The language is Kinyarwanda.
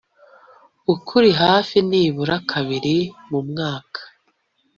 ukuri hafi nibura kabiri mu mwaka